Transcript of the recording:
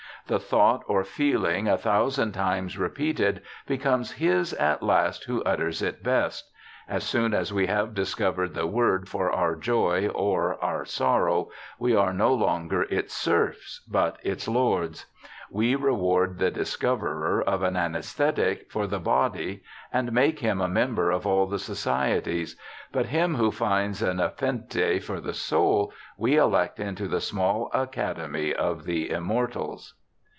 The thought or feeling a thousand times repeated becomes his at last who utters it best. ... As soon as we have discovered the word for our joy or our sorrow we are no longer its serfs, but its lords. We reward the discoverer of an anaesthetic for the body and make him a member of all the societies, but him who finds a nepenthe for the soul we elect into the small Academy of the Immortals.'